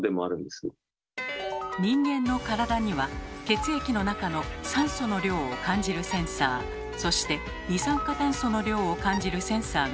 人間の体には血液の中の酸素の量を感じるセンサーそして二酸化炭素の量を感じるセンサーがあります。